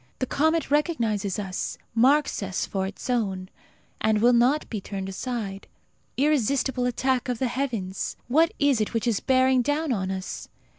The comet recognizes us, marks us for its own, and will not be turned aside. Irresistible attack of the heavens! What is it which is bearing down on us?